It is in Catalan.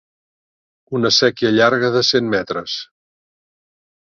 Una séquia llarga de cent metres.